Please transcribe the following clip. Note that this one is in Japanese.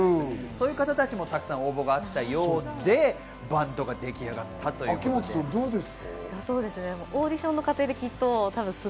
そういう方たちからも応募があったようで、バンドが出来上がったということです。